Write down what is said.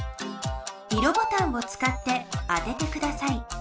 色ボタンをつかって当ててください。